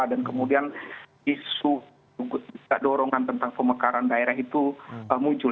dan kemudian isu dorongan tentang pemekaran daerah itu muncul